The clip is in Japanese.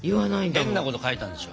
変なこと書いたんでしょ？